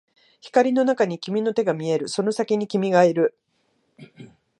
光の中に君の手が見える、その先に君がいる